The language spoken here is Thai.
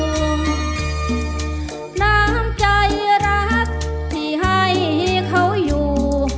น้ำใจรักที่ให้เขาอยู่